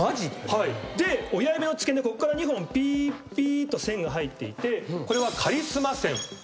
で親指の付け根こっから２本ピーピーっと線が入っていてこれはカリスマ線。